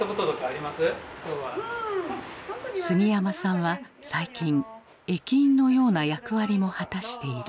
杉山さんは最近駅員のような役割も果たしている。